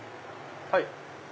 はい。